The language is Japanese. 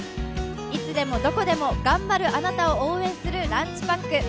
いつでもどこでも頑張るあなたを応援するランチパック。